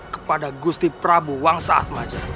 kepada gusti pramoda